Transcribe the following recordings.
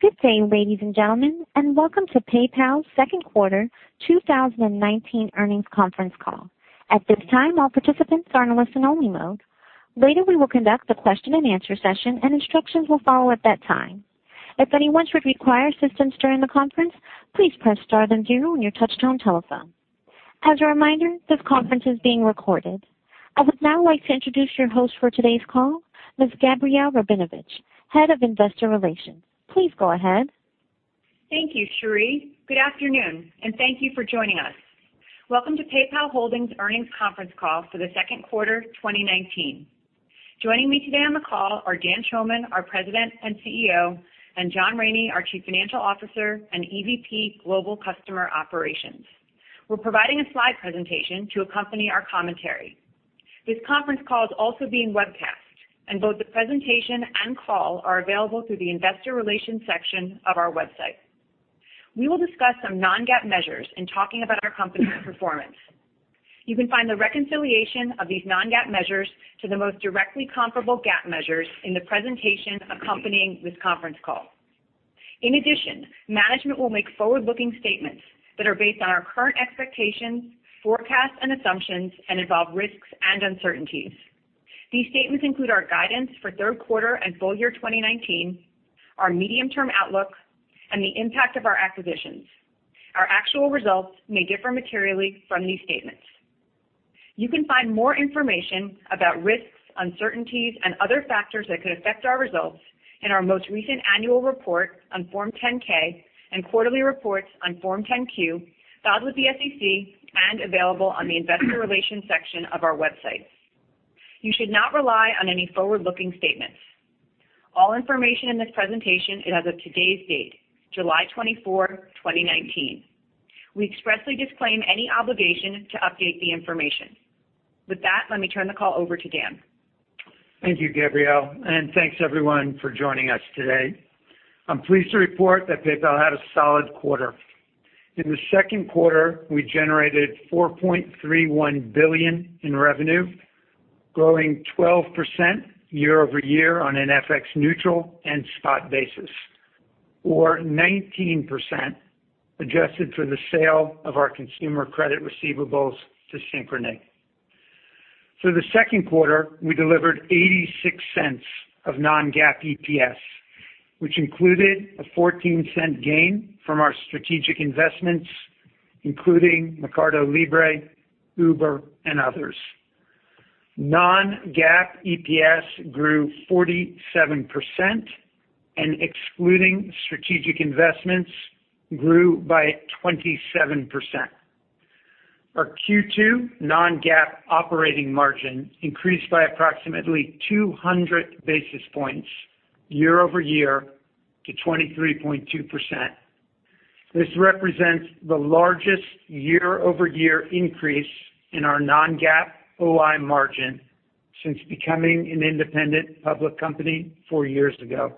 Good day, ladies and gentlemen, and welcome to PayPal's second quarter 2019 earnings conference call. At this time, all participants are in listen only mode. Later, we will conduct a question and answer session, and instructions will follow at that time. If anyone should require assistance during the conference, please press star then zero on your touchtone telephone. As a reminder, this conference is being recorded. I would now like to introduce your host for today's call, Ms. Gabrielle Rabinovitch, head of investor relations. Please go ahead. Thank you, Sheree. Good afternoon. Thank you for joining us. Welcome to PayPal Holdings earnings conference call for the second quarter 2019. Joining me today on the call are Dan Schulman, our President and CEO, and John Rainey, our Chief Financial Officer and EVP Global Customer Operations. We're providing a slide presentation to accompany our commentary. This conference call is also being webcast. Both the presentation and call are available through the investor relations section of our website. We will discuss some non-GAAP measures in talking about our company performance. You can find the reconciliation of these non-GAAP measures to the most directly comparable GAAP measures in the presentation accompanying this conference call. In addition, management will make forward-looking statements that are based on our current expectations, forecasts, and assumptions and involve risks and uncertainties. These statements include our guidance for third quarter and full year 2019, our medium-term outlook, and the impact of our acquisitions. Our actual results may differ materially from these statements. You can find more information about risks, uncertainties, and other factors that could affect our results in our most recent annual report on Form 10-K and quarterly reports on Form 10-Q filed with the SEC and available on the investor relations section of our website. You should not rely on any forward-looking statements. All information in this presentation is as of today's date, July 24, 2019. We expressly disclaim any obligation to update the information. With that, let me turn the call over to Dan. Thank you, Gabrielle, and thanks everyone for joining us today. I'm pleased to report that PayPal had a solid quarter. In the second quarter, we generated $4.31 billion in revenue, growing 12% year-over-year on an FX neutral and spot basis or 19% adjusted for the sale of our consumer credit receivables to Synchrony. For the second quarter, we delivered $0.86 of non-GAAP EPS, which included a $0.14 gain from our strategic investments, including Mercado Libre, Uber, and others. Non-GAAP EPS grew 47% and excluding strategic investments grew by 27%. Our Q2 non-GAAP operating margin increased by approximately 200 basis points year-over-year to 23.2%. This represents the largest year-over-year increase in our non-GAAP OI margin since becoming an independent public company four years ago.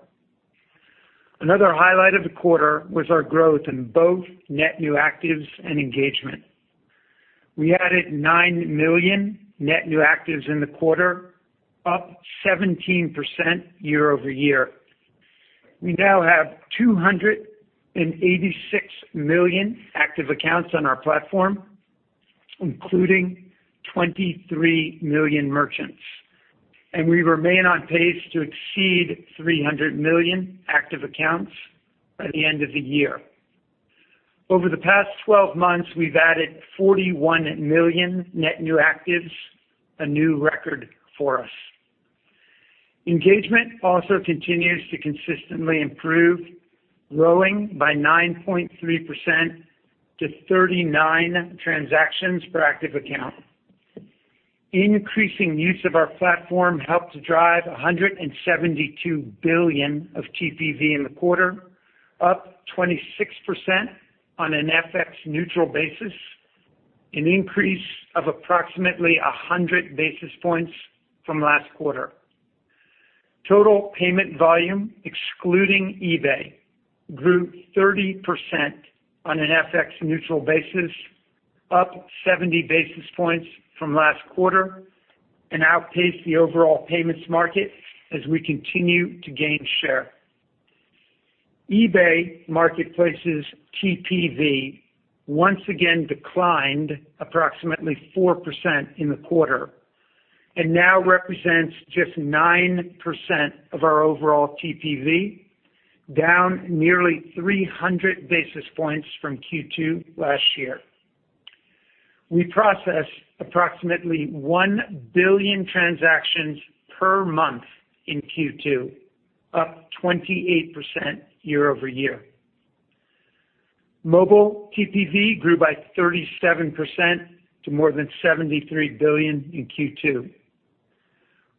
Another highlight of the quarter was our growth in both net new actives and engagement. We added 9 million net new actives in the quarter, up 17% year-over-year. We now have 286 million active accounts on our platform, including 23 million merchants. We remain on pace to exceed 300 million active accounts by the end of the year. Over the past 12 months, we've added 41 million net new actives, a new record for us. Engagement also continues to consistently improve, growing by 9.3% to 39 transactions per active account. Increasing use of our platform helped to drive $172 billion of TPV in the quarter, up 26% on an FX neutral basis, an increase of approximately 100 basis points from last quarter. Total payment volume excluding eBay grew 30% on an FX neutral basis, up 70 basis points from last quarter, and outpaced the overall payments market as we continue to gain share. eBay marketplace's TPV once again declined approximately 4% in the quarter and now represents just 9% of our overall TPV, down nearly 300 basis points from Q2 last year. We processed approximately 1 billion transactions per month in Q2, up 28% year-over-year. Mobile TPV grew by 37% to more than $73 billion in Q2.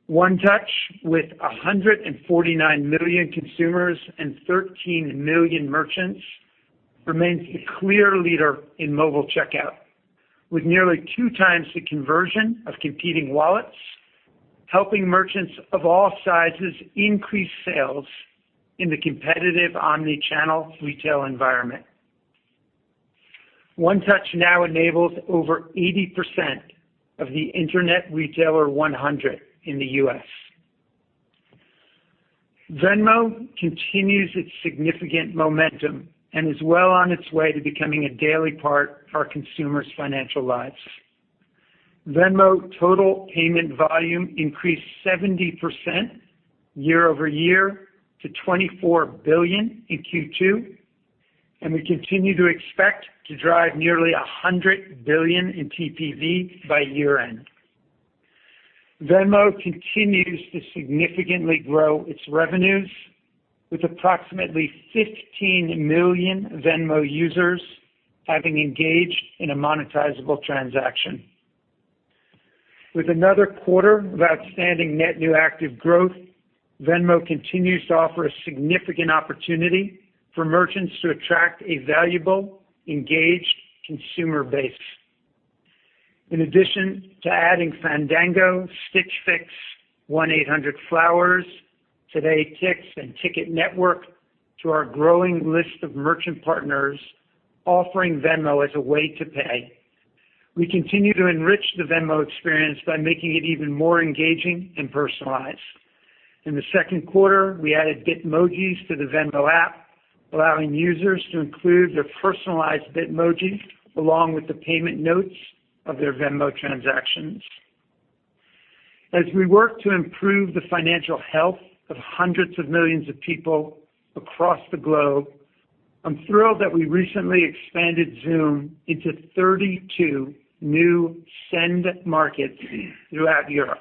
One Touch, with 149 million consumers and 13 million merchants, remains the clear leader in mobile checkout, with nearly two times the conversion of competing wallets, helping merchants of all sizes increase sales in the competitive omni-channel retail environment. One Touch now enables over 80% of the internet retailer 100 in the U.S. Venmo continues its significant momentum and is well on its way to becoming a daily part of our consumers' financial lives. Venmo total payment volume increased 70% year-over-year to $24 billion in Q2, and we continue to expect to drive nearly $100 billion in TPV by year-end. Venmo continues to significantly grow its revenues, with approximately 15 million Venmo users having engaged in a monetizable transaction. With another quarter of outstanding net new active growth, Venmo continues to offer a significant opportunity for merchants to attract a valuable, engaged consumer base. In addition to adding Fandango, Stitch Fix, 1-800-Flowers.com, TodayTix, and TicketNetwork to our growing list of merchant partners offering Venmo as a way to pay. We continue to enrich the Venmo experience by making it even more engaging and personalized. In the second quarter, we added Bitmojis to the Venmo app, allowing users to include their personalized Bitmoji along with the payment notes of their Venmo transactions. As we work to improve the financial health of hundreds of millions of people across the globe, I'm thrilled that we recently expanded Xoom into 32 new send markets throughout Europe.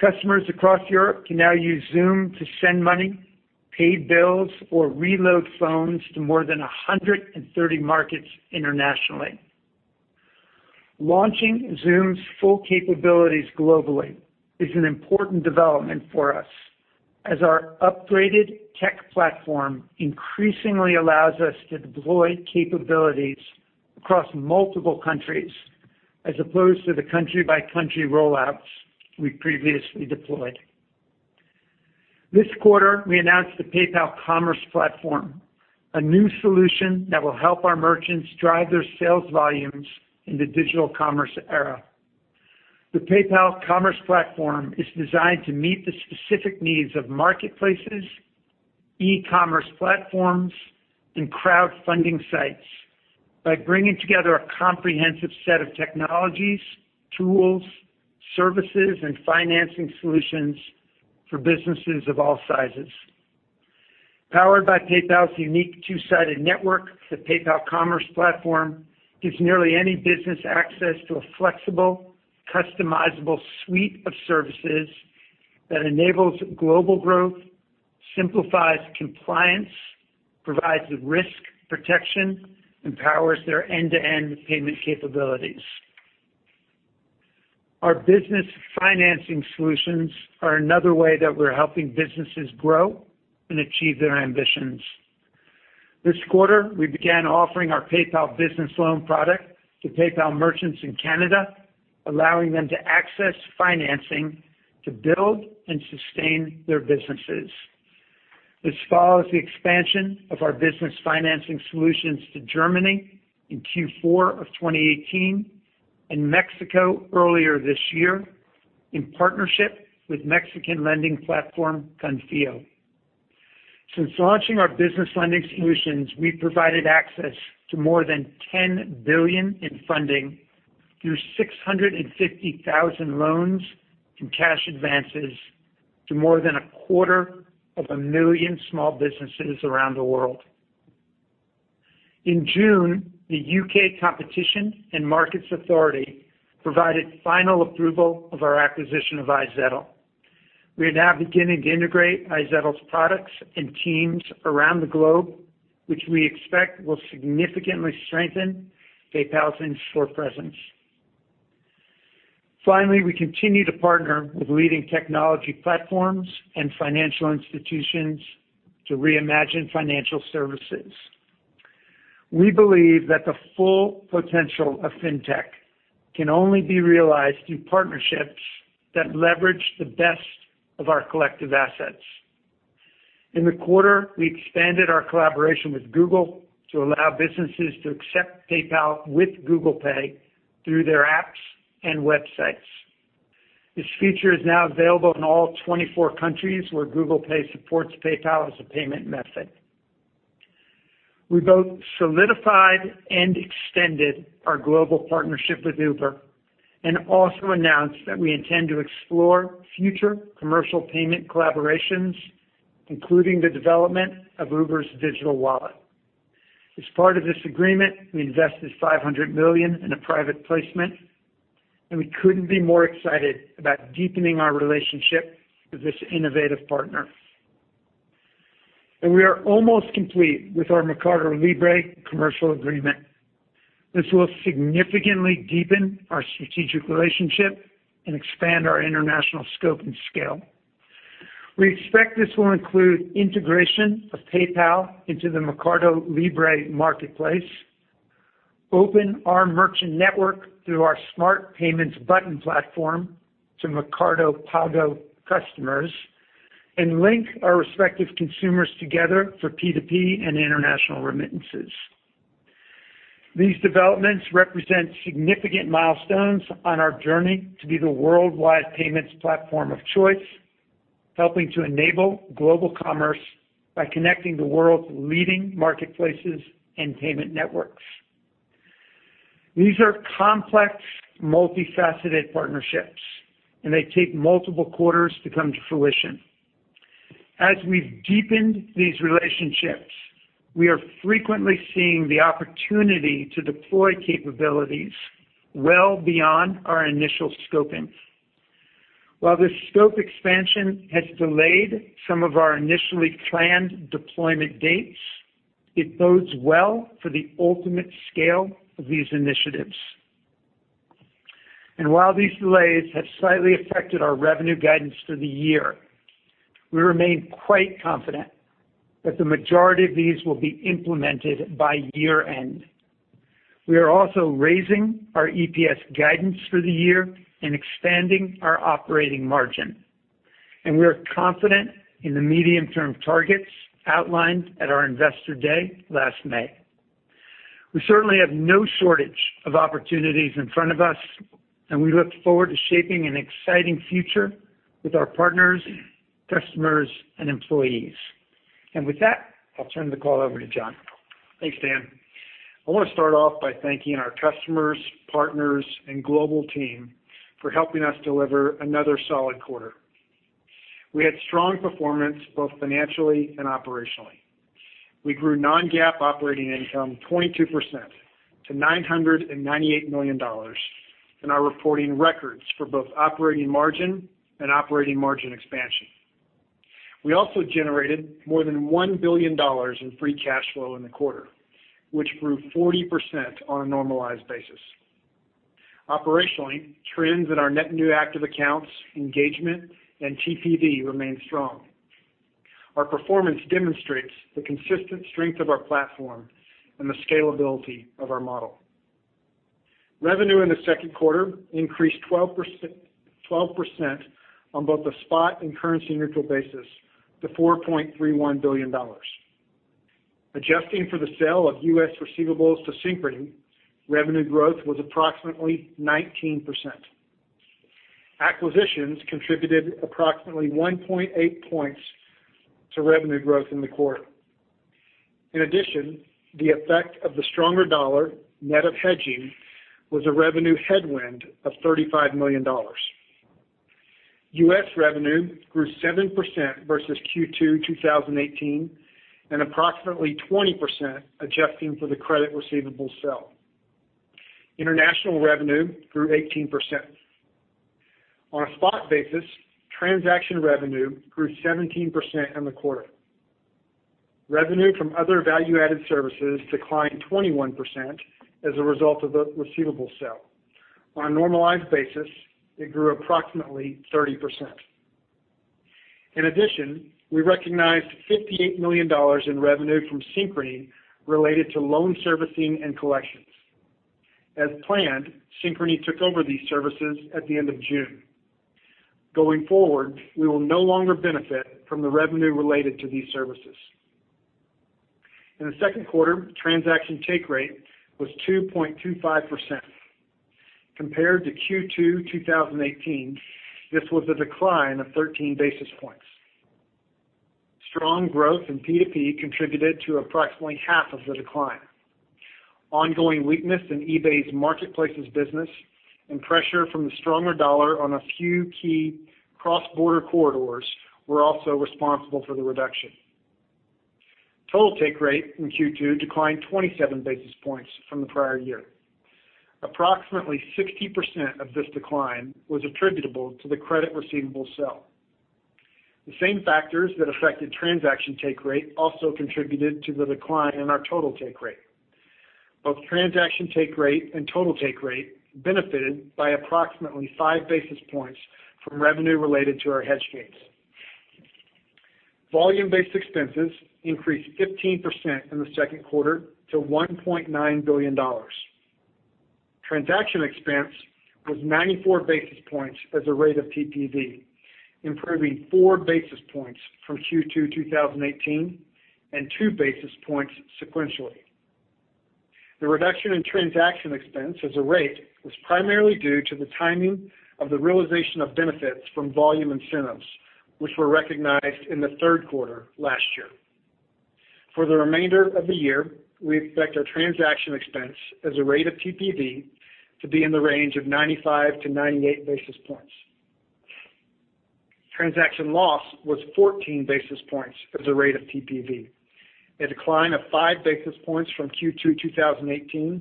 Customers across Europe can now use Xoom to send money, pay bills, or reload phones to more than 130 markets internationally. Launching Xoom's full capabilities globally is an important development for us, as our upgraded tech platform increasingly allows us to deploy capabilities across multiple countries, as opposed to the country-by-country rollouts we previously deployed. This quarter, we announced the PayPal Commerce Platform, a new solution that will help our merchants drive their sales volumes in the digital commerce era. The PayPal Commerce Platform is designed to meet the specific needs of marketplaces, e-commerce platforms, and crowdfunding sites by bringing together a comprehensive set of technologies, tools, services, and financing solutions for businesses of all sizes. Powered by PayPal's unique two-sided network, the PayPal Commerce Platform gives nearly any business access to a flexible, customizable suite of services that enables global growth, simplifies compliance, provides risk protection, and powers their end-to-end payment capabilities. Our business financing solutions are another way that we're helping businesses grow and achieve their ambitions. This quarter, we began offering our PayPal Business Loan product to PayPal merchants in Canada, allowing them to access financing to build and sustain their businesses. This follows the expansion of our business financing solutions to Germany in Q4 of 2018 and Mexico earlier this year in partnership with Mexican lending platform Konfío. Since launching our business lending solutions, we've provided access to more than $10 billion in funding through 650,000 loans and cash advances to more than a quarter of a million small businesses around the world. In June, the U.K. Competition and Markets Authority provided final approval of our acquisition of iZettle. We are now beginning to integrate iZettle's products and teams around the globe, which we expect will significantly strengthen PayPal's in-store presence. We continue to partner with leading technology platforms and financial institutions to reimagine financial services. We believe that the full potential of fintech can only be realized through partnerships that leverage the best of our collective assets. In the quarter, we expanded our collaboration with Google to allow businesses to accept PayPal with Google Pay through their apps and websites. This feature is now available in all 24 countries where Google Pay supports PayPal as a payment method. We both solidified and extended our global partnership with Uber and also announced that we intend to explore future commercial payment collaborations, including the development of Uber's digital wallet. As part of this agreement, we invested $500 million in a private placement, we couldn't be more excited about deepening our relationship with this innovative partner. We are almost complete with our MercadoLibre commercial agreement. This will significantly deepen our strategic relationship and expand our international scope and scale. We expect this will include integration of PayPal into the MercadoLibre marketplace, open our merchant network through our Smart Payment Buttons platform to Mercado Pago customers, and link our respective consumers together for P2P and international remittances. These developments represent significant milestones on our journey to be the worldwide payments platform of choice, helping to enable global commerce by connecting the world's leading marketplaces and payment networks. These are complex, multifaceted partnerships, and they take multiple quarters to come to fruition. As we've deepened these relationships, we are frequently seeing the opportunity to deploy capabilities well beyond our initial scoping. While this scope expansion has delayed some of our initially planned deployment dates, it bodes well for the ultimate scale of these initiatives. While these delays have slightly affected our revenue guidance for the year, we remain quite confident that the majority of these will be implemented by year-end. We are also raising our EPS guidance for the year and expanding our operating margin, and we are confident in the medium-term targets outlined at our investor day last May. We certainly have no shortage of opportunities in front of us, and we look forward to shaping an exciting future with our partners, customers, and employees. With that, I'll turn the call over to John. Thanks, Dan. I want to start off by thanking our customers, partners, and global team for helping us deliver another solid quarter. We had strong performance both financially and operationally. We grew non-GAAP operating income 22% to $998 million and are reporting records for both operating margin and operating margin expansion. We also generated more than $1 billion in free cash flow in the quarter, which grew 40% on a normalized basis. Operationally, trends in our net new active accounts, engagement, and TPV remain strong. Our performance demonstrates the consistent strength of our platform and the scalability of our model. Revenue in the second quarter increased 12% on both the spot and currency neutral basis to $4.31 billion. Adjusting for the sale of U.S. receivables to Synchrony, revenue growth was approximately 19%. Acquisitions contributed approximately 1.8 points to revenue growth in the quarter. In addition, the effect of the stronger dollar net of hedging was a revenue headwind of $35 million. U.S. revenue grew 7% versus Q2 2018 and approximately 20% adjusting for the credit receivable sale. International revenue grew 18%. On a spot basis, transaction revenue grew 17% in the quarter. Revenue from other value-added services declined 21% as a result of the receivable sale. On a normalized basis, it grew approximately 30%. In addition, we recognized $58 million in revenue from Synchrony related to loan servicing and collections. As planned, Synchrony took over these services at the end of June. Going forward, we will no longer benefit from the revenue related to these services. In the second quarter, transaction take rate was 2.25%. Compared to Q2 2018, this was a decline of 13 basis points. Strong growth in P2P contributed to approximately half of the decline. Ongoing weakness in eBay's Marketplaces business and pressure from the stronger dollar on a few key cross-border corridors were also responsible for the reduction. Total take rate in Q2 declined 27 basis points from the prior year. Approximately 60% of this decline was attributable to the credit receivable sale. The same factors that affected transaction take rate also contributed to the decline in our total take rate. Both transaction take rate and total take rate benefited by approximately five basis points from revenue related to our hedge gains. Volume-based expenses increased 15% in the second quarter to $1.9 billion. Transaction expense was 94 basis points as a rate of TPV, improving four basis points from Q2 2018 and two basis points sequentially. The reduction in transaction expense as a rate was primarily due to the timing of the realization of benefits from volume incentives, which were recognized in the third quarter last year. For the remainder of the year, we expect our transaction expense as a rate of TPV to be in the range of 95-98 basis points. Transaction loss was 14 basis points as a rate of TPV, a decline of five basis points from Q2 2018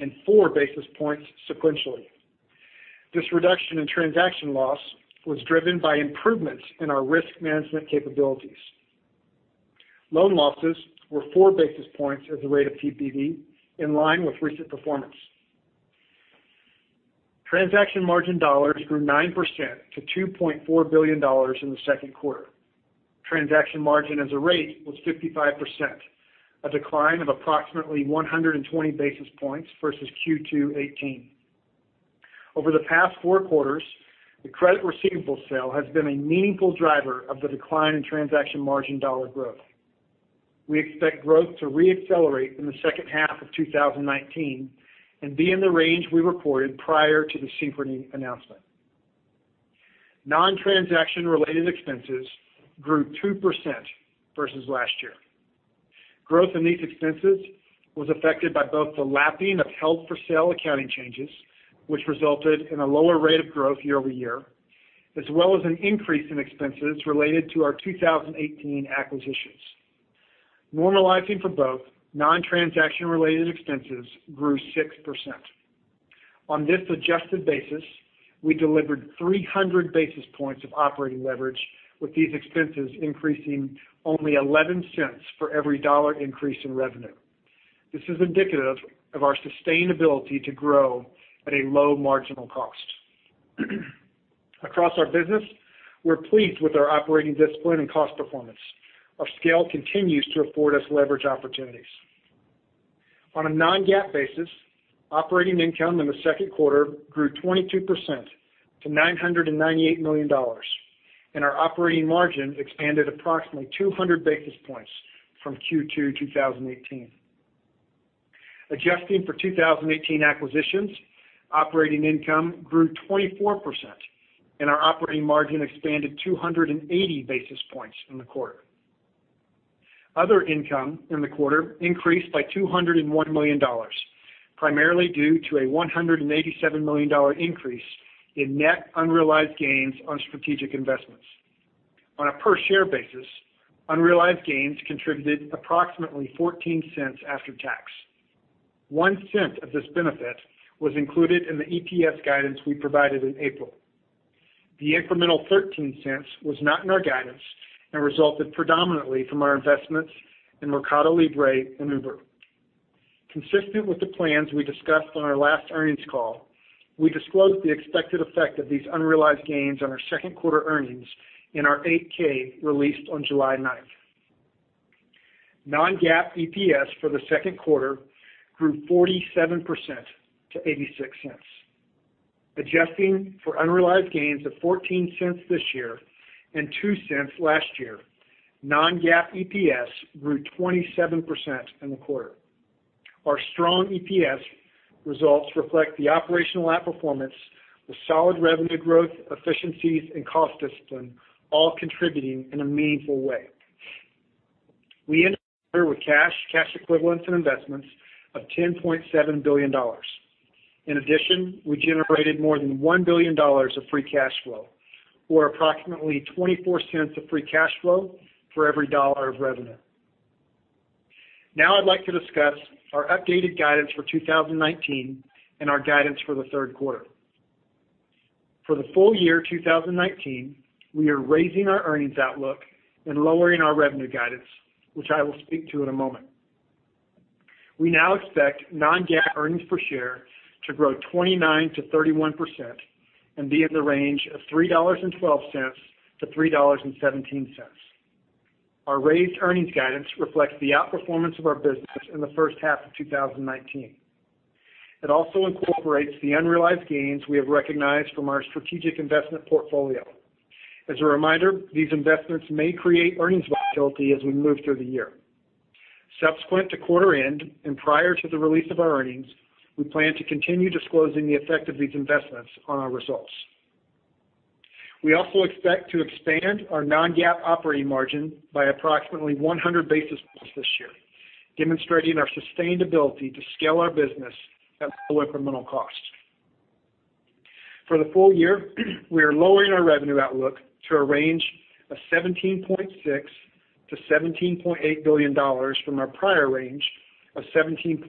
and four basis points sequentially. This reduction in transaction loss was driven by improvements in our risk management capabilities. Loan losses were four basis points as a rate of TPV, in line with recent performance. Transaction margin dollars grew 9% to $2.4 billion in the second quarter. Transaction margin as a rate was 55%, a decline of approximately 120 basis points versus Q2 2018. Over the past four quarters, the credit receivable sale has been a meaningful driver of the decline in transaction margin dollar growth. We expect growth to reaccelerate in the second half of 2019 and be in the range we reported prior to the Synchrony announcement. Non-transaction related expenses grew 2% versus last year. Growth in these expenses was affected by both the lapping of held-for-sale accounting changes, which resulted in a lower rate of growth year-over-year, as well as an increase in expenses related to our 2018 acquisitions. Normalizing for both, non-transaction related expenses grew 6%. On this adjusted basis, we delivered 300 basis points of operating leverage, with these expenses increasing only $0.11 for every $1 increase in revenue. This is indicative of our sustainability to grow at a low marginal cost. Across our business, we're pleased with our operating discipline and cost performance. Our scale continues to afford us leverage opportunities. On a non-GAAP basis, operating income in the second quarter grew 22% to $998 million, and our operating margin expanded approximately 200 basis points from Q2 2018. Adjusting for 2018 acquisitions, operating income grew 24%, and our operating margin expanded 280 basis points in the quarter. Other income in the quarter increased by $201 million, primarily due to a $187 million increase in net unrealized gains on strategic investments. On a per-share basis, unrealized gains contributed approximately $0.14 after tax. $0.01 of this benefit was included in the EPS guidance we provided in April. The incremental $0.13 was not in our guidance and resulted predominantly from our investments in MercadoLibre and Uber. Consistent with the plans we discussed on our last earnings call, we disclosed the expected effect of these unrealized gains on our second quarter earnings in our 8-K released on July 9. Non-GAAP EPS for the second quarter grew 47% to $0.86. Adjusting for unrealized gains of $0.14 this year and $0.02 last year, non-GAAP EPS grew 27% in the quarter. Our strong EPS results reflect the operational outperformance, the solid revenue growth, efficiencies, and cost discipline all contributing in a meaningful way. We ended the quarter with cash equivalents, and investments of $10.7 billion. In addition, we generated more than $1 billion of free cash flow, or approximately $0.24 of free cash flow for every dollar of revenue. Now I'd like to discuss our updated guidance for 2019 and our guidance for the third quarter. For the full year 2019, we are raising our earnings outlook and lowering our revenue guidance, which I will speak to in a moment. We now expect non-GAAP EPS to grow 29%-31% and be in the range of $3.12-$3.17. Our raised earnings guidance reflects the outperformance of our business in the first half of 2019. It also incorporates the unrealized gains we have recognized from our strategic investment portfolio. As a reminder, these investments may create earnings volatility as we move through the year. Subsequent to quarter end and prior to the release of our earnings, we plan to continue disclosing the effect of these investments on our results. We also expect to expand our non-GAAP operating margin by approximately 100 basis points this year, demonstrating our sustainability to scale our business at low incremental cost. For the full year, we are lowering our revenue outlook to a range of $17.6 billion-$17.8 billion from our prior range of $17.85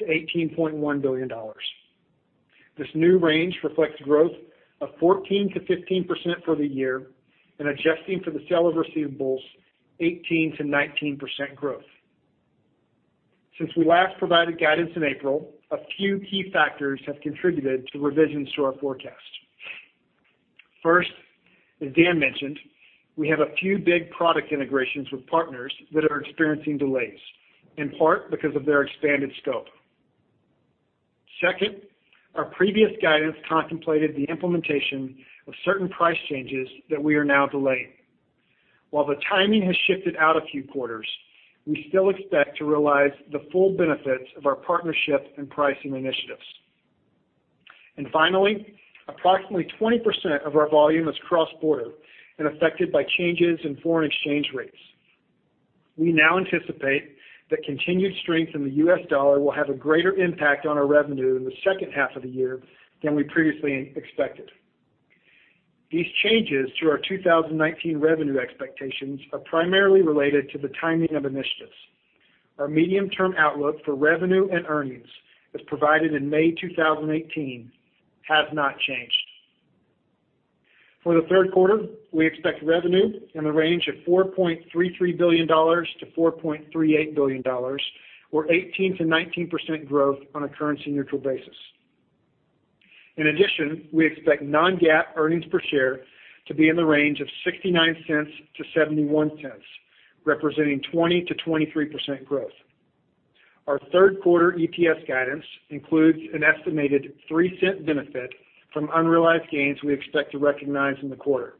billion-$18.1 billion. This new range reflects growth of 14%-15% for the year, and adjusting for the sale of receivables, 18%-19% growth. Since we last provided guidance in April, a few key factors have contributed to revisions to our forecast. First, as Dan mentioned, we have a few big product integrations with partners that are experiencing delays, in part because of their expanded scope. Second, our previous guidance contemplated the implementation of certain price changes that we are now delaying. While the timing has shifted out a few quarters, we still expect to realize the full benefits of our partnership and pricing initiatives. Finally, approximately 20% of our volume is cross-border and affected by changes in foreign exchange rates. We now anticipate that continued strength in the U.S. dollar will have a greater impact on our revenue in the second half of the year than we previously expected. These changes to our 2019 revenue expectations are primarily related to the timing of initiatives. Our medium-term outlook for revenue and earnings, as provided in May 2018, have not changed. For the third quarter, we expect revenue in the range of $4.33 billion-$4.38 billion, or 18%-19% growth on a currency-neutral basis. In addition, we expect non-GAAP EPS to be in the range of $0.69-$0.71, representing 20%-23% growth. Our third quarter EPS guidance includes an estimated $0.03 benefit from unrealized gains we expect to recognize in the quarter.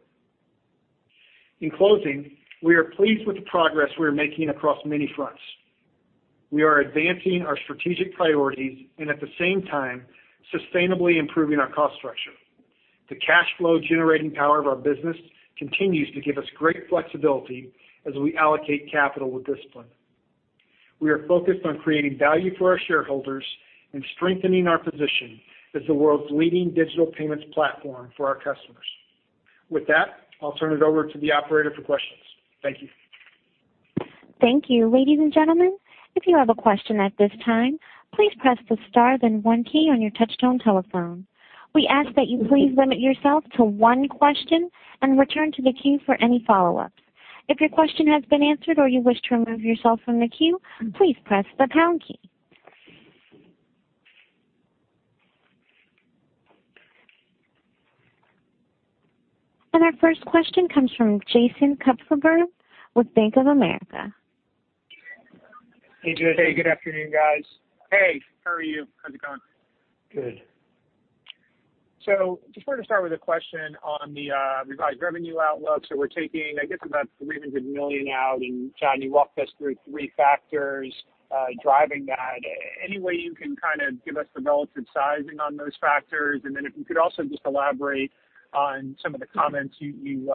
In closing, we are pleased with the progress we are making across many fronts. We are advancing our strategic priorities and at the same time, sustainably improving our cost structure. The cash flow generating power of our business continues to give us great flexibility as we allocate capital with discipline. We are focused on creating value for our shareholders and strengthening our position as the world's leading digital payments platform for our customers. With that, I'll turn it over to the operator for questions. Thank you. Thank you. Ladies and gentlemen, if you have a question at this time, please press the star, then one key on your touchtone telephone. We ask that you please limit yourself to one question and return to the queue for any follow-ups. If your question has been answered or you wish to remove yourself from the queue, please press the pound key. Our first question comes from Jason Kupferberg with Bank of America. Hey, Jason. Hey, good afternoon, guys. Hey, how are you? How's it going? Good. Just wanted to start with a question on the revised revenue outlook. We're taking, I guess, about $300 million out, John, you walked us through three factors driving that. Any way you can kind of give us the relative sizing on those factors? Then if you could also just elaborate on some of the comments you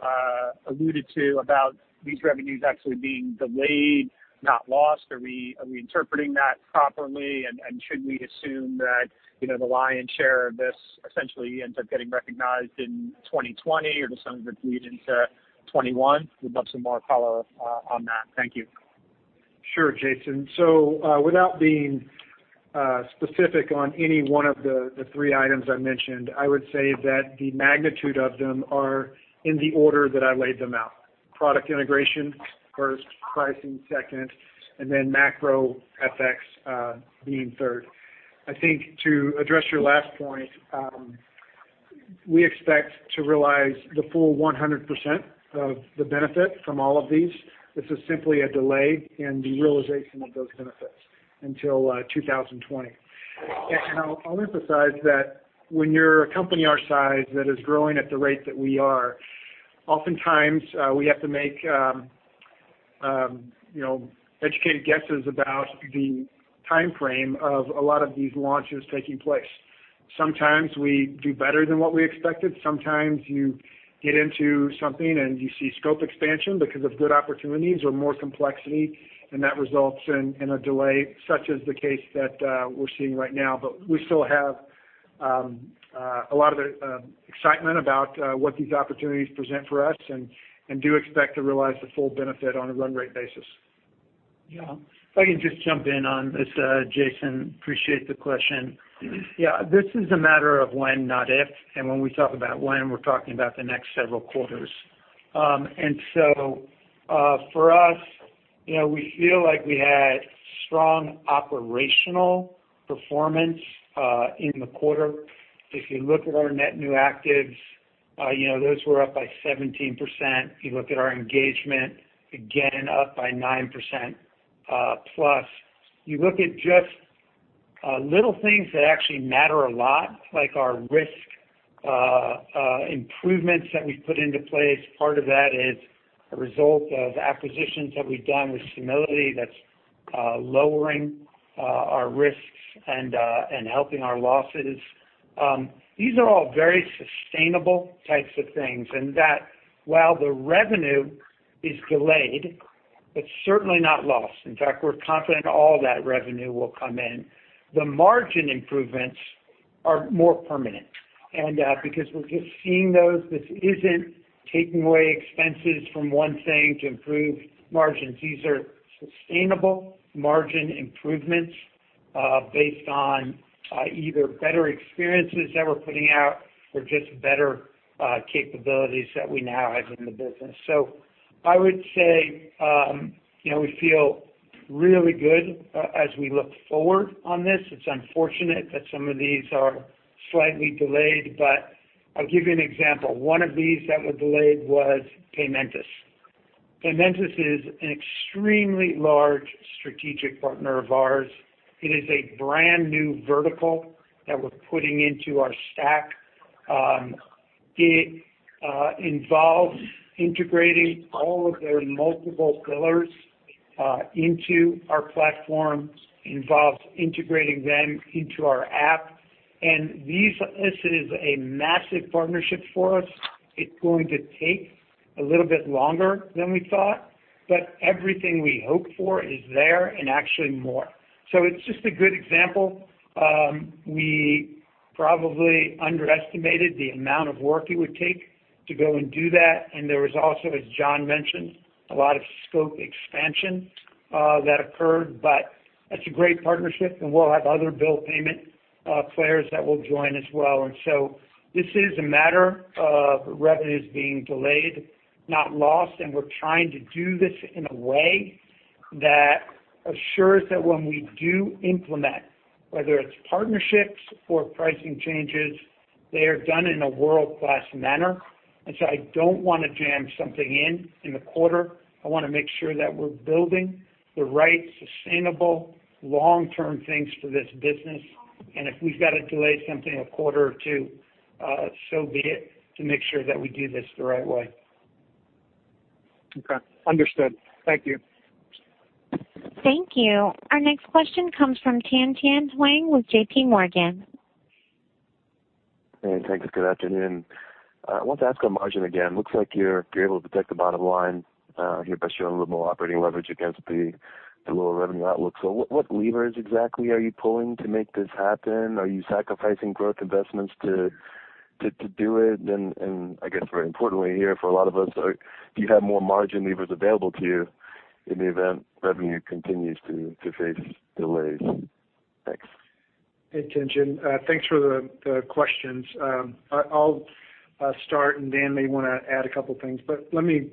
alluded to about these revenues actually being delayed, not lost. Are we interpreting that properly? Should we assume that the lion's share of this essentially ends up getting recognized in 2020 or does some of it bleed into 2021? We'd love some more color on that. Thank you. Sure, Jason. Without being specific on any one of the three items I mentioned, I would say that the magnitude of them are in the order that I laid them out. Product integration first, pricing second, and then macro FX being third. I think to address your last point, we expect to realize the full 100% of the benefit from all of these. This is simply a delay in the realization of those benefits until 2020. I'll emphasize that when you're a company our size that is growing at the rate that we are, oftentimes we have to make educated guesses about the timeframe of a lot of these launches taking place. Sometimes we do better than what we expected. Sometimes you get into something and you see scope expansion because of good opportunities or more complexity, and that results in a delay, such as the case that we're seeing right now. We still have a lot of excitement about what these opportunities present for us and do expect to realize the full benefit on a run rate basis. If I can just jump in on this, Jason, appreciate the question. This is a matter of when, not if, when we talk about when, we're talking about the next several quarters. For us, we feel like we had strong operational performance in the quarter. If you look at our net new actives, those were up by 17%. If you look at our engagement, again, up by 9% plus. You look at just little things that actually matter a lot, like our risk improvements that we've put into place. Part of that is a result of acquisitions that we've done with Simility that's lowering our risks and helping our losses. These are all very sustainable types of things, while the revenue is delayed, it's certainly not lost. In fact, we're confident all that revenue will come in. The margin improvements are more permanent. Because we're just seeing those, this isn't taking away expenses from one thing to improve margins. These are sustainable margin improvements based on either better experiences that we're putting out or just better capabilities that we now have in the business. I would say we feel really good as we look forward on this. It's unfortunate that some of these are slightly delayed, but I'll give you an example. One of these that was delayed was Paymentus. Paymentus is an extremely large strategic partner of ours. It is a brand new vertical that we're putting into our stack. It involves integrating all of their multiple pillars into our platform. Involves integrating them into our app. This is a massive partnership for us. It's going to take a little bit longer than we thought, but everything we hoped for is there and actually more. It's just a good example. We probably underestimated the amount of work it would take to go and do that. There was also, as John mentioned, a lot of scope expansion that occurred. It's a great partnership and we'll have other bill payment players that will join as well. This is a matter of revenues being delayed, not lost. We're trying to do this in a way. That assures that when we do implement, whether it's partnerships or pricing changes, they are done in a world-class manner. I don't want to jam something in the quarter. I want to make sure that we're building the right sustainable long-term things for this business. If we've got to delay something a quarter or two, so be it to make sure that we do this the right way. Okay. Understood. Thank you. Thank you. Our next question comes from Tien-Tsin Huang with J.P. Morgan. Hey, thanks. Good afternoon. I wanted to ask on margin again. Looks like you're able to protect the bottom line here by showing a little more operating leverage against the lower revenue outlook. What levers exactly are you pulling to make this happen? Are you sacrificing growth investments to do it? I guess very importantly here for a lot of us, do you have more margin levers available to you in the event revenue continues to face delays? Thanks. Hey, Tien-Tsin. Thanks for the questions. I'll start and Dan may want to add a couple things, but let me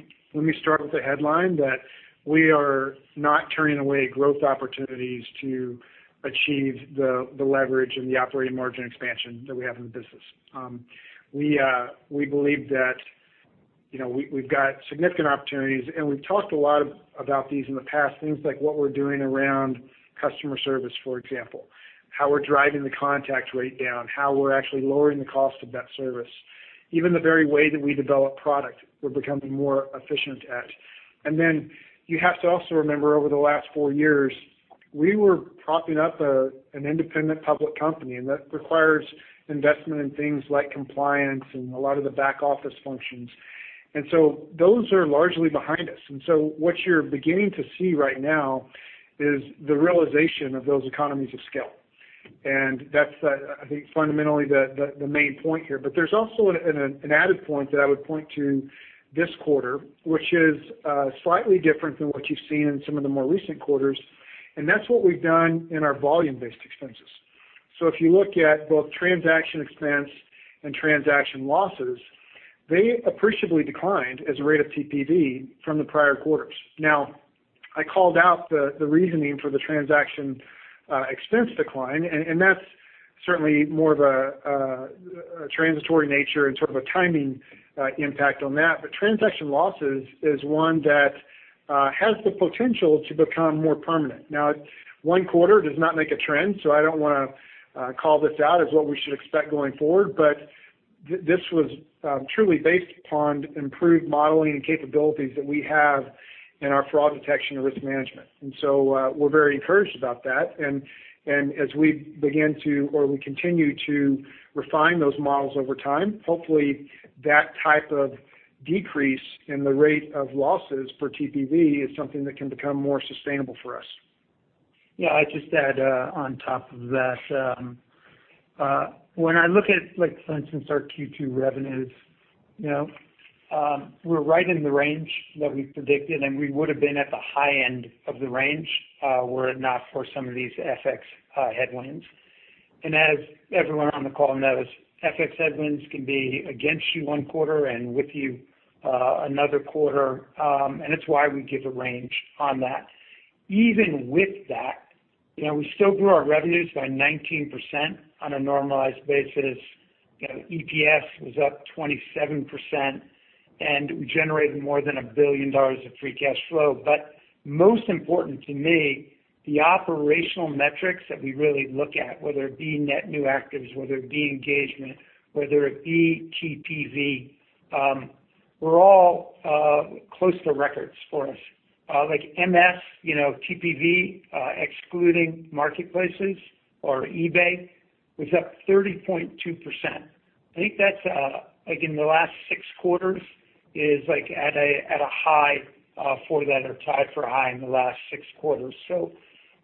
start with the headline that we are not turning away growth opportunities to achieve the leverage and the operating margin expansion that we have in the business. We believe that we've got significant opportunities, and we've talked a lot about these in the past, things like what we're doing around customer service, for example, how we're driving the contact rate down, how we're actually lowering the cost of that service. Even the very way that we develop product, we're becoming more efficient at. You have to also remember over the last four years, we were propping up an independent public company, and that requires investment in things like compliance and a lot of the back office functions. Those are largely behind us. What you're beginning to see right now is the realization of those economies of scale. That's I think fundamentally the main point here. There's also an added point that I would point to this quarter, which is slightly different than what you've seen in some of the more recent quarters, and that's what we've done in our volume-based expenses. If you look at both transaction expense and transaction losses, they appreciably declined as a rate of TPV from the prior quarters. Now, I called out the reasoning for the transaction expense decline, and that's certainly more of a transitory nature and sort of a timing impact on that. Transaction losses is one that has the potential to become more permanent. Now, one quarter does not make a trend, so I don't want to call this out as what we should expect going forward. This was truly based upon improved modeling and capabilities that we have in our fraud detection and risk management. We're very encouraged about that. As we begin to, or we continue to refine those models over time, hopefully that type of decrease in the rate of losses for TPV is something that can become more sustainable for us. I'd just add on top of that. When I look at, for instance, our Q2 revenues, we're right in the range that we predicted, and we would have been at the high end of the range were it not for some of these FX headwinds. As everyone on the call knows, FX headwinds can be against you one quarter and with you another quarter. It's why we give a range on that. Even with that, we still grew our revenues by 19% on a normalized basis. EPS was up 27%, and we generated more than $1 billion of free cash flow. Most important to me, the operational metrics that we really look at, whether it be net new actives, whether it be engagement, whether it be TPV, were all close to records for us. MS, TPV excluding marketplaces or eBay was up 30.2%. I think that's, again, the last six quarters is at a high for that or tied for high in the last six quarters.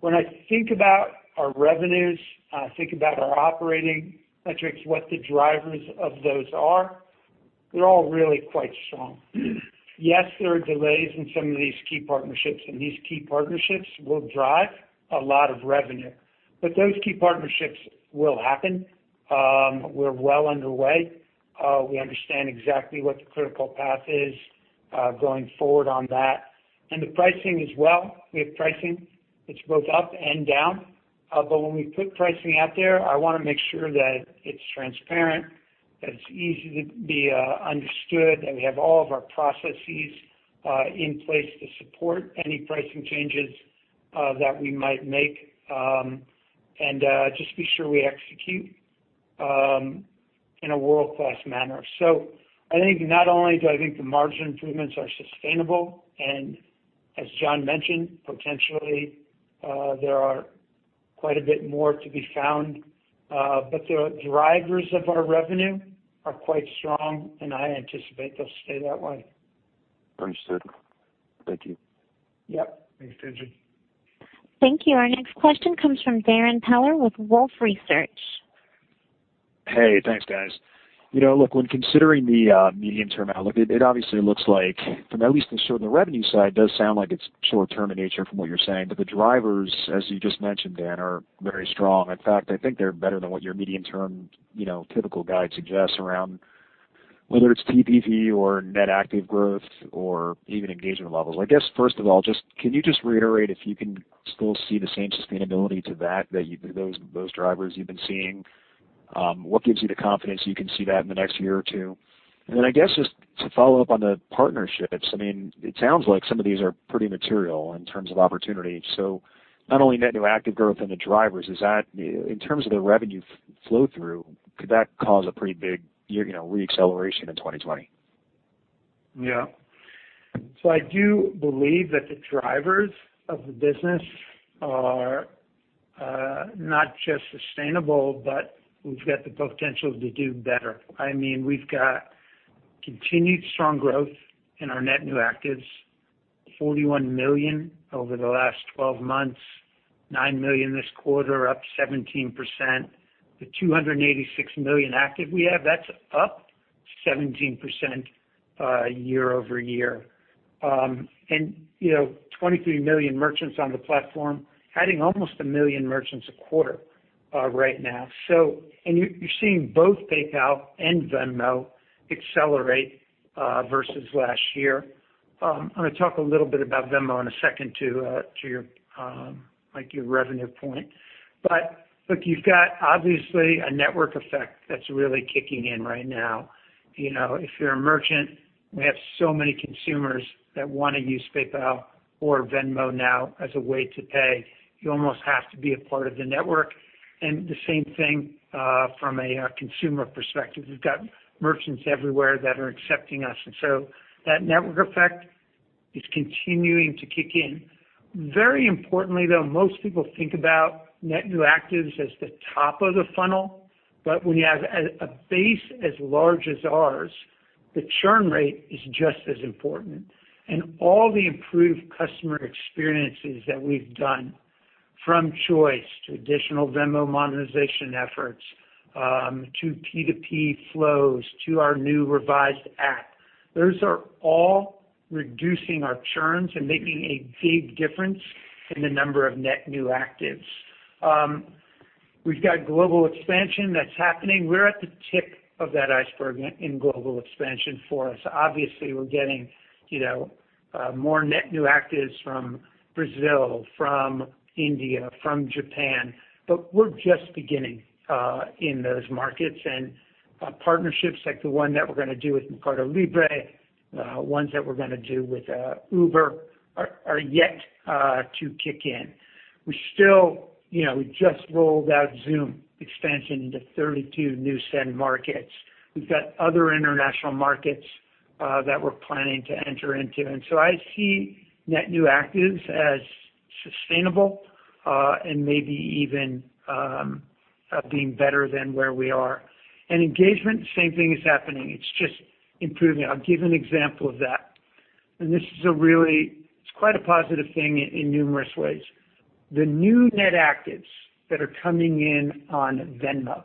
When I think about our revenues, I think about our operating metrics, what the drivers of those are, they're all really quite strong. Yes, there are delays in some of these key partnerships, and these key partnerships will drive a lot of revenue. Those key partnerships will happen. We're well underway. We understand exactly what the critical path is going forward on that. The pricing as well. We have pricing. It's both up and down. When we put pricing out there, I want to make sure that it's transparent, that it's easy to be understood, that we have all of our processes in place to support any pricing changes that we might make, and just be sure we execute in a world-class manner. I think not only do I think the margin improvements are sustainable, and as John mentioned, potentially there are quite a bit more to be found. The drivers of our revenue are quite strong, and I anticipate they'll stay that way. Understood. Thank you. Yep. Thanks, Tien-Tsin. Thank you. Our next question comes from Darrin Peller with Wolfe Research. Hey, thanks, guys. Look, when considering the medium-term outlook, it obviously looks like from at least the sort of the revenue side, does sound like it's short-term in nature from what you're saying. The drivers, as you just mentioned, Dan, are very strong. In fact, I think they're better than what your medium-term typical guide suggests around whether it's P2P or net active growth or even engagement levels. I guess first of all, can you just reiterate if you can still see the same sustainability to that, those drivers you've been seeing? What gives you the confidence you can see that in the next year or two? Then I guess just to follow up on the partnerships, it sounds like some of these are pretty material in terms of opportunity. Not only net new active growth and the drivers, in terms of the revenue flow through, could that cause a pretty big re-acceleration in 2020? I do believe that the drivers of the business are not just sustainable, but we've got the potential to do better. We've got continued strong growth in our net new actives, 41 million over the last 12 months, 9 million this quarter, up 17%. The 286 million active we have, that's up 17% year-over-year. 23 million merchants on the platform, adding almost a million merchants a quarter right now. You're seeing both PayPal and Venmo accelerate versus last year. I'm going to talk a little bit about Venmo in a second to your revenue point. Look, you've got obviously a network effect that's really kicking in right now. If you're a merchant, we have so many consumers that want to use PayPal or Venmo now as a way to pay. You almost have to be a part of the network. The same thing from a consumer perspective. We've got merchants everywhere that are accepting us. That network effect is continuing to kick in. Very importantly, though, most people think about net new actives as the top of the funnel, but when you have a base as large as ours, the churn rate is just as important. All the improved customer experiences that we've done, from choice to additional Venmo monetization efforts, to P2P flows, to our new revised app, those are all reducing our churns and making a big difference in the number of net new actives. We've got global expansion that's happening. We're at the tip of that iceberg in global expansion for us. Obviously, we're getting more net new actives from Brazil, from India, from Japan, but we're just beginning in those markets. Partnerships like the one that we're going to do with MercadoLibre, ones that we're going to do with Uber are yet to kick in. We just rolled out Xoom expansion into 32 new send markets. We've got other international markets that we're planning to enter into. I see net new actives as sustainable, and maybe even being better than where we are. Engagement, the same thing is happening. It's just improving. I'll give an example of that. This is quite a positive thing in numerous ways. The new net actives that are coming in on Venmo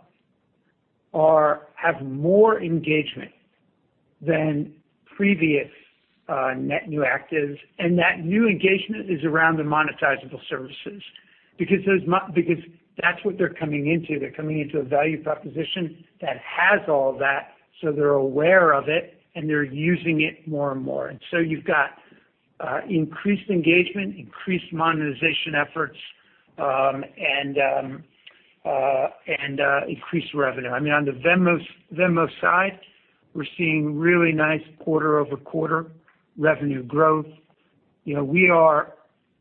have more engagement than previous net new actives. That new engagement is around the monetizable services. Because that's what they're coming into. They're coming into a value proposition that has all that, so they're aware of it, and they're using it more and more. You've got increased engagement, increased monetization efforts, and increased revenue. On the Venmo side, we're seeing really nice quarter-over-quarter revenue growth. We are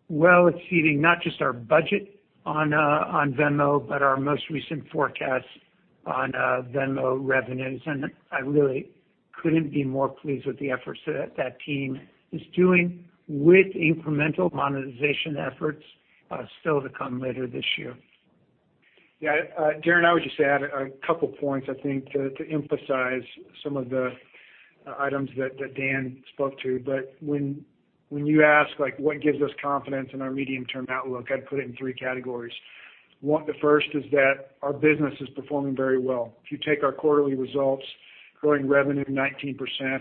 well exceeding not just our budget on Venmo, but our most recent forecast on Venmo revenues. I really couldn't be more pleased with the efforts that that team is doing with incremental monetization efforts still to come later this year. Yeah. Darrin, I would just add a couple points, I think, to emphasize some of the items that Dan spoke to. When you ask what gives us confidence in our medium-term outlook, I'd put it in 3 categories. 1, the first is that our business is performing very well. If you take our quarterly results, growing revenue 19%,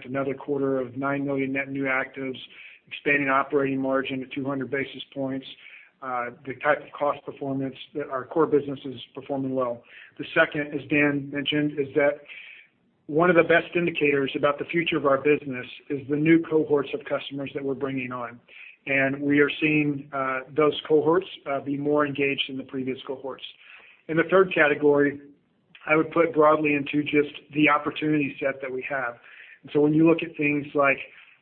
another quarter of nine million net new actives, expanding operating margin to 200 basis points. The type of cost performance that our core business is performing well. The second, as Dan mentioned, is that one of the best indicators about the future of our business is the new cohorts of customers that we're bringing on. We are seeing those cohorts be more engaged than the previous cohorts. The third category I would put broadly into just the opportunity set that we have. When you look at things like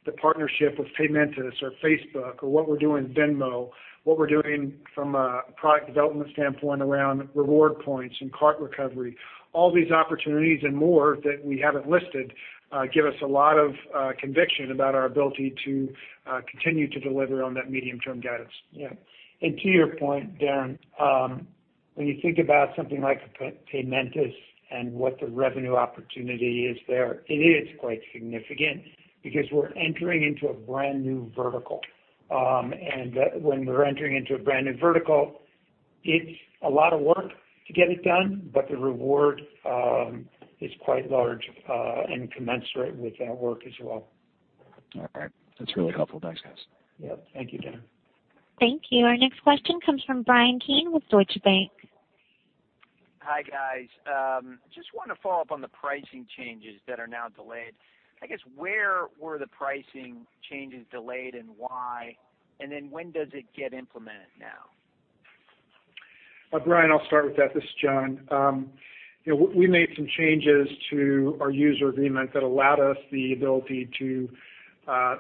the partnership with Paymentus or Facebook or what we're doing with Venmo, what we're doing from a product development standpoint around reward points and cart recovery, all these opportunities and more that we haven't listed give us a lot of conviction about our ability to continue to deliver on that medium-term guidance. Yeah. To your point, Darrin, when you think about something like Paymentus and what the revenue opportunity is there, it is quite significant because we're entering into a brand new vertical. When we're entering into a brand new vertical, it's a lot of work to get it done, but the reward is quite large and commensurate with that work as well. All right. That's really helpful. Thanks, guys. Yeah. Thank you, Dan. Thank you. Our next question comes from Bryan Keane with Deutsche Bank. Hi, guys. Just want to follow up on the pricing changes that are now delayed. I guess where were the pricing changes delayed and why? When does it get implemented now? Bryan, I'll start with that. This is John. We made some changes to our user agreement that allowed us the ability to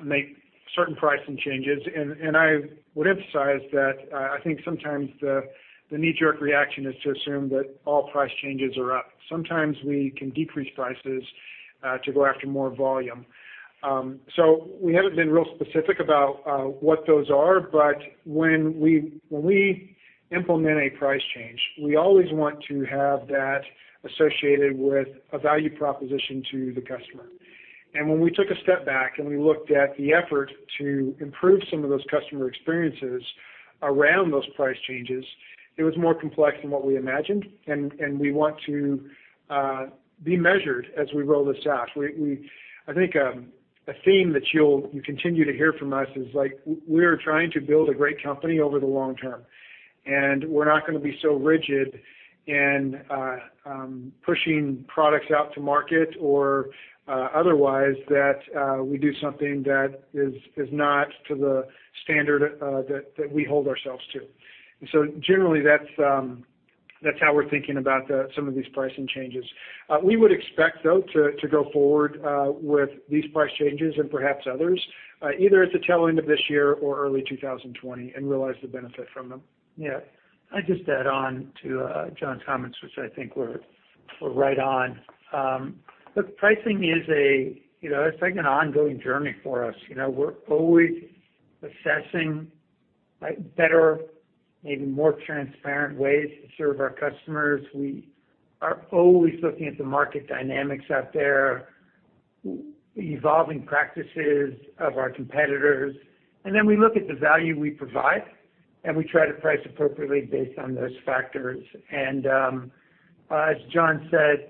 make certain pricing changes. I would emphasize that I think sometimes the knee-jerk reaction is to assume that all price changes are up. Sometimes we can decrease prices to go after more volume. We haven't been real specific about what those are, but when we implement a price change, we always want to have that associated with a value proposition to the customer. When we took a step back and we looked at the effort to improve some of those customer experiences around those price changes, it was more complex than what we imagined. We want to be measured as we roll this out. I think a theme that you'll continue to hear from us is we're trying to build a great company over the long term. We're not going to be so rigid in pushing products out to market or otherwise that we do something that is not to the standard that we hold ourselves to. Generally that's how we're thinking about some of these pricing changes. We would expect, though, to go forward with these price changes and perhaps others either at the tail end of this year or early 2020 and realize the benefit from them. Yeah. I'll just add on to John's comments, which I think were right on. Look, pricing is a second ongoing journey for us. We're always assessing better, maybe more transparent ways to serve our customers. We are always looking at the market dynamics out there, evolving practices of our competitors. Then we look at the value we provide, and we try to price appropriately based on those factors. As John said,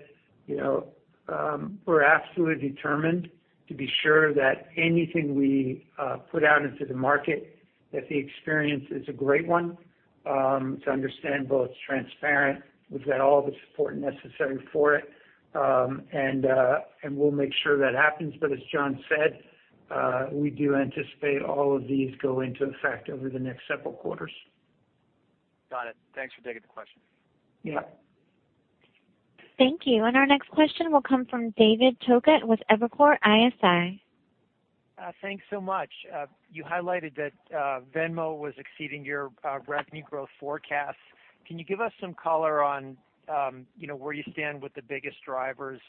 we're absolutely determined to be sure that anything we put out into the market, that the experience is a great one, it's understandable, it's transparent, we've got all the support necessary for it, and we'll make sure that happens. As John said, we do anticipate all of these go into effect over the next several quarters. Got it. Thanks for taking the question. Yeah. Thank you. Our next question will come from David Togut with Evercore ISI. Thanks so much. You highlighted that Venmo was exceeding your revenue growth forecast. Can you give us some color on where you stand with the biggest drivers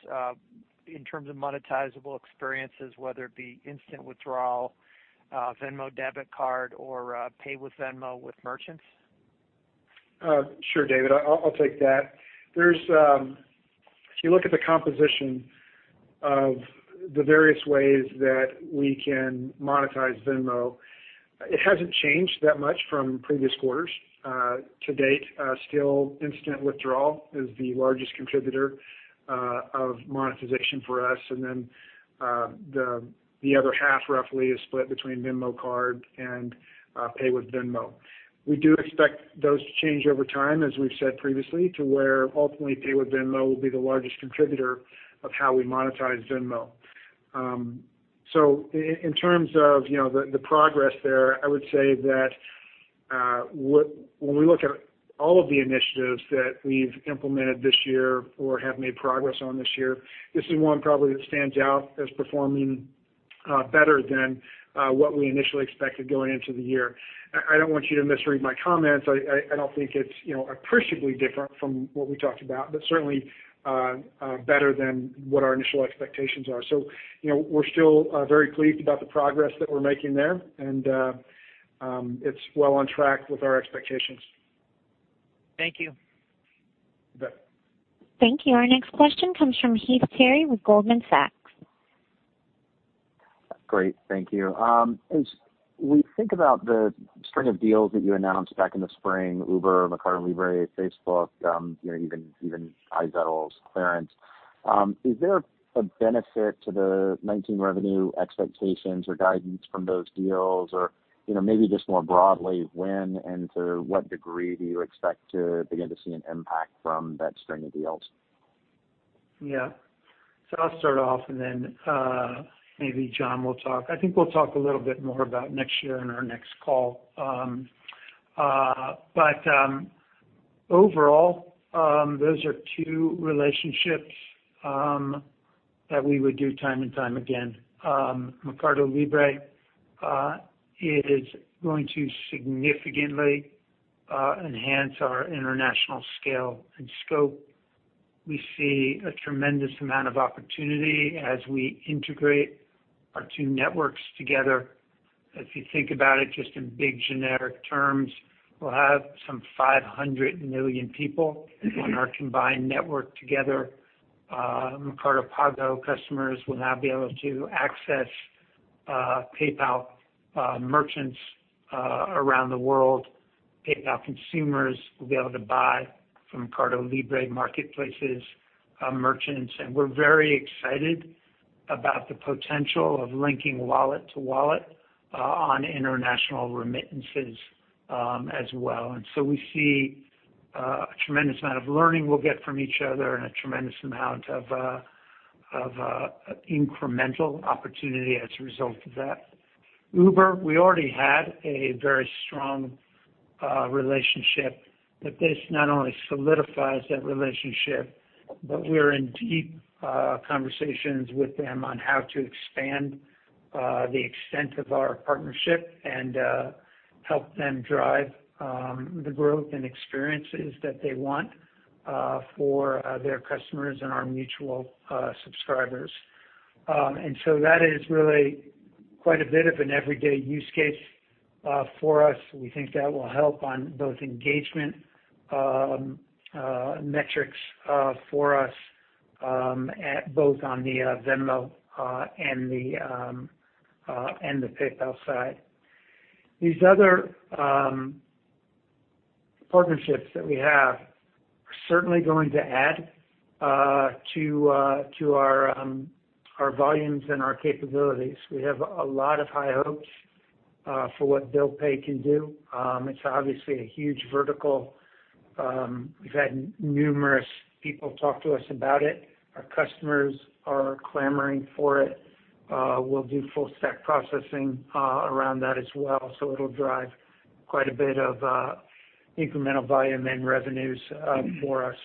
in terms of monetizable experiences, whether it be instant withdrawal, Venmo debit card, or pay with Venmo with merchants? Sure, David. I'll take that. If you look at the composition of the various ways that we can monetize Venmo, it hasn't changed that much from previous quarters to date. Instant withdrawal is the largest contributor of monetization for us, and then the other half roughly is split between Venmo card and pay with Venmo. We do expect those to change over time, as we've said previously, to where ultimately pay with Venmo will be the largest contributor of how we monetize Venmo. In terms of the progress there, I would say that when we look at all of the initiatives that we've implemented this year or have made progress on this year, this is one probably that stands out as performing better than what we initially expected going into the year. I don't want you to misread my comments. I don't think it's appreciably different from what we talked about, but certainly better than what our initial expectations are. We're still very pleased about the progress that we're making there, and it's well on track with our expectations. Thank you. You bet. Thank you. Our next question comes from Heath Terry with Goldman Sachs. Great. Thank you. As we think about the string of deals that you announced back in the spring, Uber, MercadoLibre, Facebook, even iZettle clearance, is there a benefit to the 2019 revenue expectations or guidance from those deals? Maybe just more broadly, when and to what degree do you expect to begin to see an impact from that string of deals? Yeah. I'll start off and then maybe John will talk. I think we'll talk a little bit more about next year in our next call. Overall, those are two relationships that we would do time and time again. Mercado Libre is going to significantly enhance our international scale and scope. We see a tremendous amount of opportunity as we integrate our two networks together. If you think about it just in big generic terms, we'll have some 500 million people on our combined network together. Mercado Pago customers will now be able to access PayPal merchants around the world. PayPal consumers will be able to buy from Mercado Libre marketplaces merchants. We're very excited about the potential of linking wallet to wallet on international remittances as well. We see a tremendous amount of learning we'll get from each other and a tremendous amount of incremental opportunity as a result of that. Uber, we already had a very strong relationship, but this not only solidifies that relationship, but we are in deep conversations with them on how to expand the extent of our partnership and help them drive the growth and experiences that they want for their customers and our mutual subscribers. That is really quite a bit of an everyday use case for us. We think that will help on both engagement metrics for us both on the Venmo and the PayPal side. These other partnerships that we have are certainly going to add to our volumes and our capabilities. We have a lot of high hopes for what Bill Pay can do. It's obviously a huge vertical. We've had numerous people talk to us about it. Our customers are clamoring for it. We'll do full stack processing around that as well, so it'll drive quite a bit of incremental volume and revenues for us.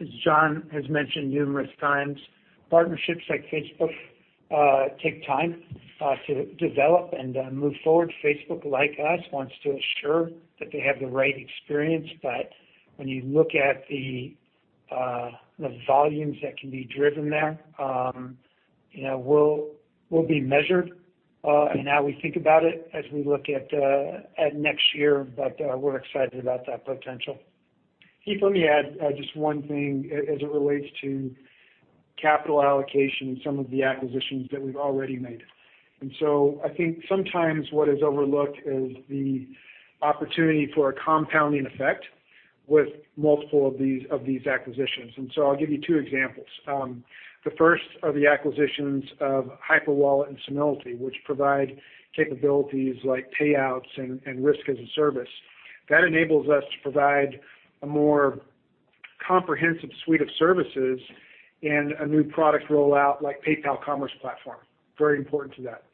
As John has mentioned numerous times, partnerships like Facebook take time to develop and move forward. Facebook, like us, wants to assure that they have the right experience, but when you look at the volumes that can be driven there, will be measured in how we think about it as we look at next year. We're excited about that potential. Heath, let me add just one thing as it relates to capital allocation and some of the acquisitions that we've already made. I think sometimes what is overlooked is the opportunity for a compounding effect with multiple of these acquisitions. I'll give you two examples. The first are the acquisitions of Hyperwallet and Simility, which provide capabilities like payouts and risk as a service. That enables us to provide a more comprehensive suite of services and a new product rollout like PayPal Commerce Platform, very important to that.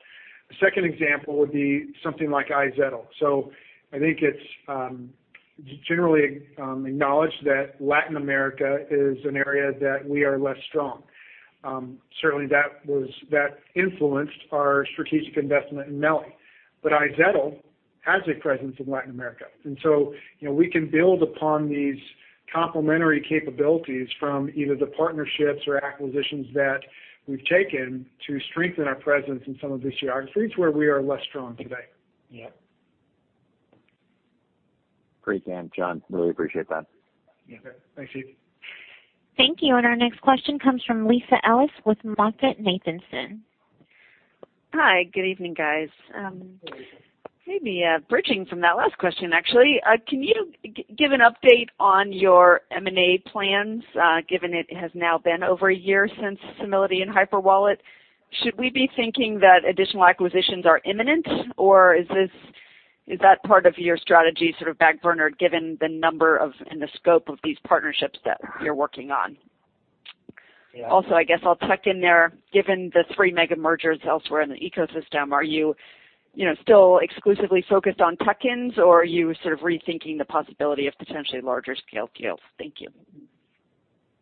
The second example would be something like iZettle. I think it's generally acknowledged that Latin America is an area that we are less strong. Certainly, that influenced our strategic investment in MercadoLibre. iZettle has a presence in Latin America, and so, we can build upon these complementary capabilities from either the partnerships or acquisitions that we've taken to strengthen our presence in some of these geographies where we are less strong today. Yeah. Great. Dan, John, really appreciate that. Yeah. Thanks, Heath. Thank you. Our next question comes from Lisa Ellis with MoffettNathanson. Hi. Good evening, guys. Hey, Lisa. Maybe bridging from that last question, actually. Can you give an update on your M&A plans, given it has now been over a year since Simility and Hyperwallet? Should we be thinking that additional acquisitions are imminent, or is that part of your strategy sort of backburnered, given the number of, and the scope of these partnerships that you're working on? Yeah. Also, I guess I'll tuck in there, given the three mega mergers elsewhere in the ecosystem, are you still exclusively focused on tuck-ins, or are you sort of rethinking the possibility of potentially larger scale deals? Thank you.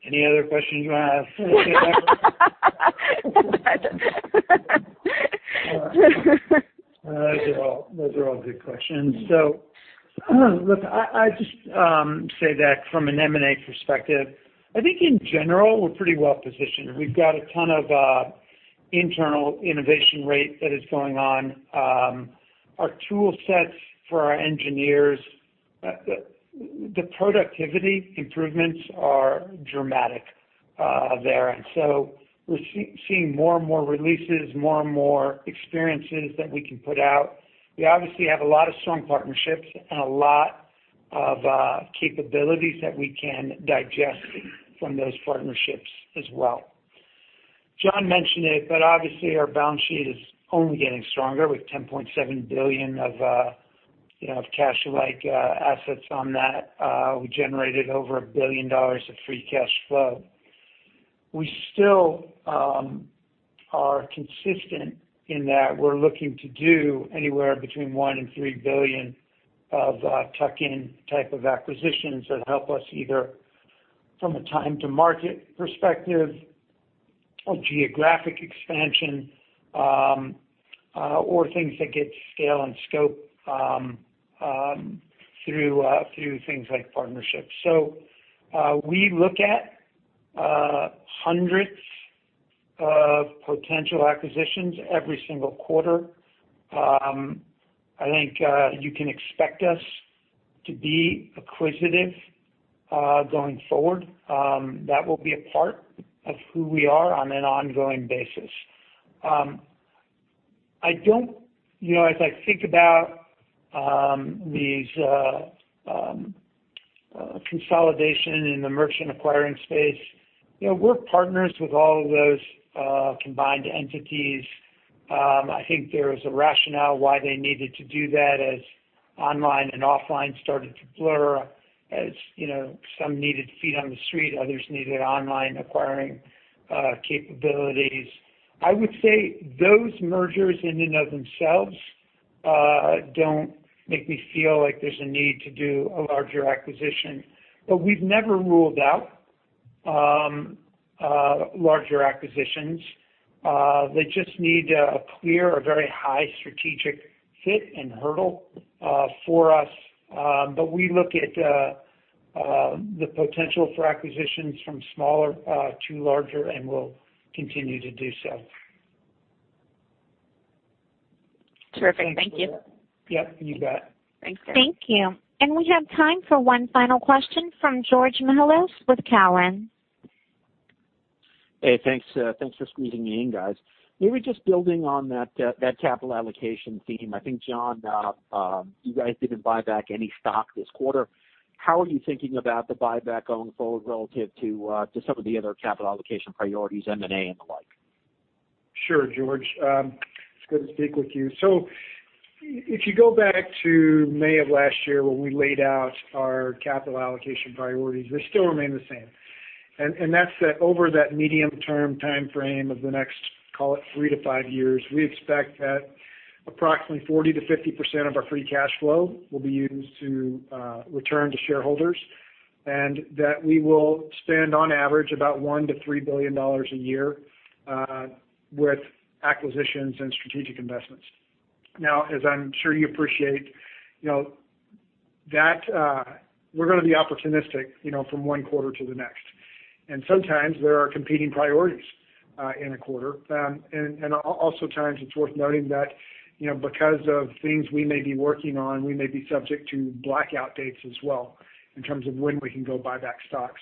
Any other questions you want to ask? Those are all good questions. Look, I'd just say that from an M&A perspective, I think in general we're pretty well-positioned. We've got a ton of internal innovation rate that is going on. Our tool sets for our engineers, the productivity improvements are dramatic there. We're seeing more and more releases, more and more experiences that we can put out. We obviously have a lot of strong partnerships and a lot of capabilities that we can digest from those partnerships as well. John mentioned it, obviously our balance sheet is only getting stronger with $10.7 billion of cash-like assets on that. We generated over $1 billion of free cash flow. We still are consistent in that we're looking to do anywhere between $1 billion and $3 billion of tuck-in type of acquisitions that help us either from a time to market perspective or geographic expansion, or things that get scale and scope through things like partnerships. We look at hundreds of potential acquisitions every single quarter. I think you can expect us to be acquisitive going forward. That will be a part of who we are on an ongoing basis. As I think about these consolidation in the merchant acquiring space, we're partners with all of those combined entities. I think there was a rationale why they needed to do that as online and offline started to blur, as some needed feet on the street, others needed online acquiring capabilities. I would say those mergers in and of themselves don't make me feel like there's a need to do a larger acquisition. We've never ruled out larger acquisitions. They just need a clear or very high strategic hit and hurdle for us. We look at the potential for acquisitions from smaller to larger, and we'll continue to do so. Terrific. Thank you. Yep, you bet. Thanks. Thank you. We have time for one final question from George Mihalos with Cowen. Hey, thanks for squeezing me in, guys. Maybe just building on that capital allocation theme. I think, John, you guys didn't buy back any stock this quarter. How are you thinking about the buyback going forward relative to some of the other capital allocation priorities, M&A and the like? Sure, George. It's good to speak with you. If you go back to May of last year when we laid out our capital allocation priorities, they still remain the same. That's that over that medium term timeframe of the next, call it 3-5 years, we expect that approximately 40%-50% of our free cash flow will be used to return to shareholders, and that we will spend on average about $1 billion-$3 billion a year with acquisitions and strategic investments. As I'm sure you appreciate, we're going to be opportunistic from one quarter to the next. Sometimes there are competing priorities in a quarter. Also times it's worth noting that because of things we may be working on, we may be subject to blackout dates as well in terms of when we can go buy back stock.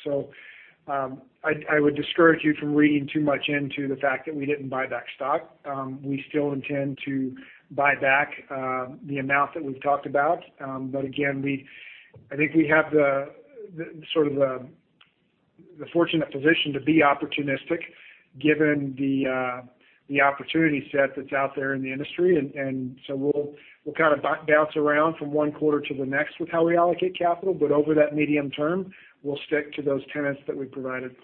I would discourage you from reading too much into the fact that we didn't buy back stock. We still intend to buy back the amount that we've talked about. Again, I think we have the fortunate position to be opportunistic given the opportunity set that's out there in the industry. We'll kind of bounce around from one quarter to the next with how we allocate capital. Over that medium term, we'll stick to those tenets that we provided.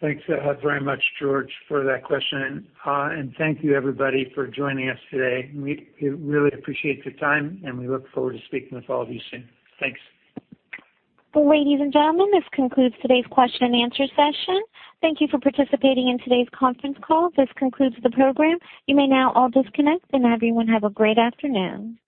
Thanks very much, George, for that question. Thank you everybody for joining us today. We really appreciate your time, and we look forward to speaking with all of you soon. Thanks. Ladies and gentlemen, this concludes today's question and answer session. Thank you for participating in today's conference call. This concludes the program. You may now all disconnect and everyone have a great afternoon.